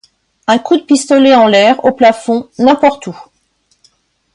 Un coup de pistolet en l'air, au plafond, n'importe où.